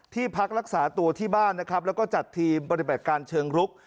พักรักษาตัวที่บ้านนะครับแล้วก็จัดทีมปฏิบัติการเชิงรุก